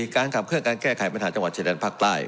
การขับเคลื่อนการแก้ไขปัญหาจังหวัดชายแดนภาคใต้